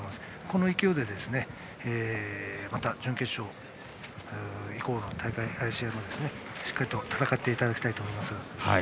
この勢いでまた準決勝以降の試合もしっかりと戦っていただきたいと思います。